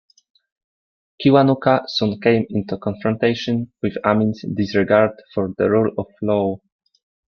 Kiwanuka soon came into confrontation with Amin's disregard for the rule of law.